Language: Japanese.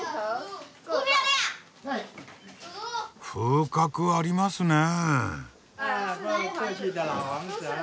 風格ありますねえ。